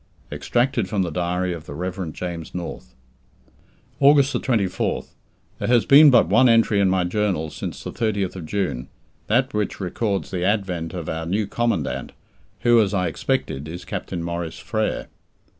EXTRACTED FROM THE DIARY OF THE REV. JAMES NORTH. August 24th. There has been but one entry in my journal since the 30th June, that which records the advent of our new Commandant, who, as I expected, is Captain Maurice Frere.